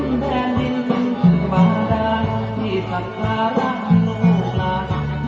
เกือบกับเกียร์สูงสุดท้าย